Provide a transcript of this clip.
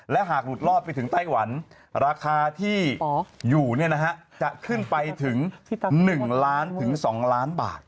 และหากหลุดรอดไปถึงไต้หวันราคาที่อยู่จะขึ้นไปถึง๑ล้านถึง๒ล้านบาท